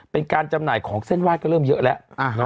เป็นการจำหน่ายของเส้นว่ายก็เริ่มเยอะแล้ว